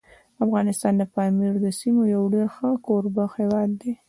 افغانستان د پامیر د سیمو یو ډېر ښه کوربه هیواد دی.